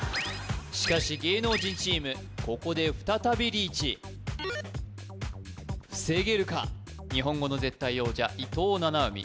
しかし芸能人チームここで再びリーチ防げるか日本語の絶対王者伊藤七海